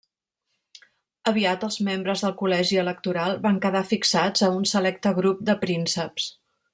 Aviat, els membres del col·legi electoral van quedar fixats a un selecte grup de prínceps.